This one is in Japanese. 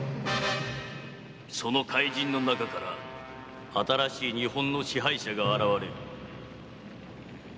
「その灰燼の中から新しい日本の支配者が現れる」